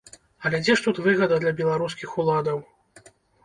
Але дзе ж тут выгада для беларускіх уладаў?